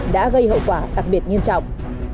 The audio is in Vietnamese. đã gây hậu quả đặc biệt nghiêm trọng